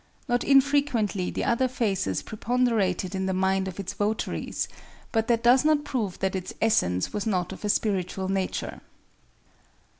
Not infrequently the other phases preponderated in the mind of its votaries, but that does not prove that its essence was not of a spiritual nature.